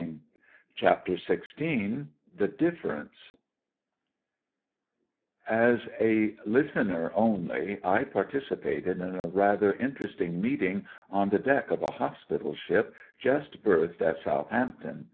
\ e HAPTER XVI THE DIFFERENCE \ I As a listener only, I participated in a rather interesting meeting on the deck of a hospital ship just berthed at South ampton.